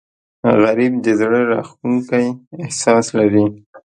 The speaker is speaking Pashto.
غریب د زړه راښکونکی احساس لري